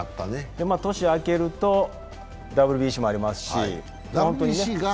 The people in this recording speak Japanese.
年が明けるとＷＢＣもありますし。